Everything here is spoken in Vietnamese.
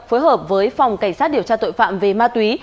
phối hợp với phòng cảnh sát điều tra tội phạm về ma túy